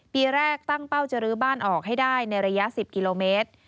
ปีแรกตั้งเป้าจะลื้อบ้านออกให้ได้ในระยะ๑๐กิโลเมตร